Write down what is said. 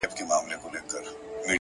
وخت د هرې پرېکړې اغېز ساتي!